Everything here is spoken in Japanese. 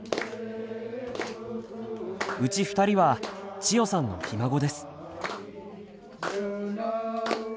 うち２人は千代さんのひ孫です。